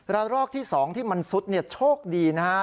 ระลอกที่๒ที่มันซุดโชคดีนะฮะ